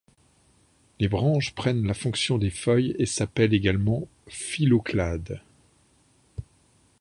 Les branches prennent la fonction des feuilles et s'appellent également phylloclades.